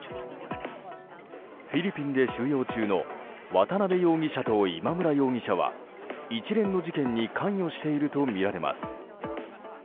フィリピンで収容中の渡邉容疑者と今村容疑者は一連の事件に関与しているとみられます。